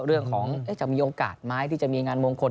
เรื่องของจะมีโอกาสไหมที่จะมีงานมงคล